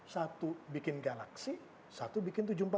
satu bikin galaxy satu bikin tujuh ratus empat puluh tujuh